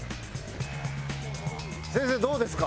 先生どうですか？